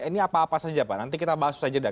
ini apa apa saja pak nanti kita bahas usai jeda